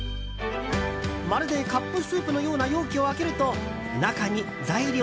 まるでカップスープのような容器を開けると、中に材料。